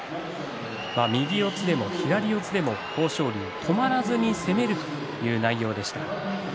右四つでも左四つでも豊昇龍止まらずに攻めるという内容でした。